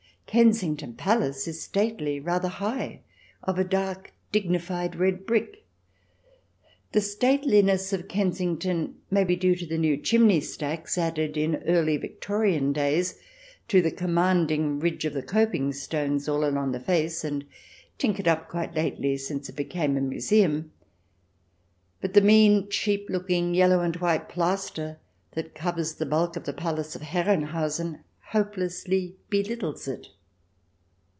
Kensington Palace is stately, rather high, of a dark, dignified red brick. The stateliness of Kensington may be due to the new chimney stacks added in Early Victorian days to the commanding ridge of the coping stones all along the face, and tinkered up quite lately since it became a museum ; but the mean, cheap looking yellow and white plaster that covers the bulk of the palace of Herren hausen hopelessly belittles it.